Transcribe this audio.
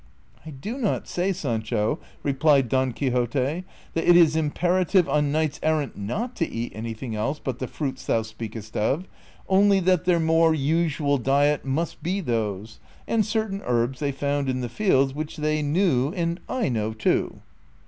" I do not say, Sancho," replied Don Quixote, ''that it is im ])erative on knights errant not to eat anything else but the fruits thou speakest of; only that their more usual diet must be those, and certain herbs they found in the fields whic li they knew and I know too."